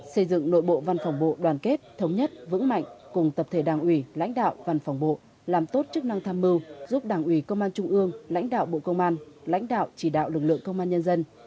xây dựng nội bộ văn phòng bộ đoàn kết thống nhất vững mạnh cùng tập thể đảng ủy lãnh đạo văn phòng bộ làm tốt chức năng tham mưu giúp đảng ủy công an trung ương lãnh đạo bộ công an lãnh đạo chỉ đạo lực lượng công an nhân dân